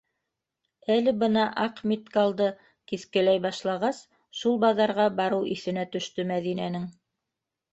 ...Әле бына, аҡ миткалды киҫкеләй башлағас, шул баҙарға барыу иҫенә төштө Мәҙинәнең.